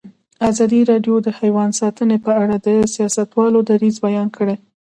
ازادي راډیو د حیوان ساتنه په اړه د سیاستوالو دریځ بیان کړی.